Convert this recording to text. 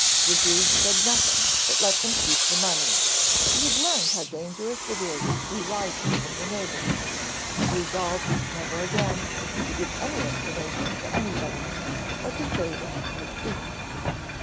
Zadig said nothing, but let them keep the money. He had learned how dangerous it is to be wiser than your neighbours, and resolved never again to give any information to anybody, or to say what he had seen.